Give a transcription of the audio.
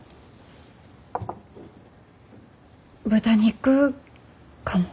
豚肉かも。